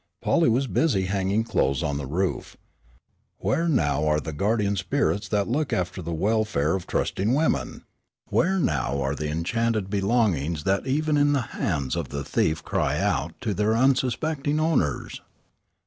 Polly was busy hanging clothes on the roof. Where now are the guardian spirits that look after the welfare of trusting women? Where now are the enchanted belongings that even in the hands of the thief cry out to their unsuspecting owners?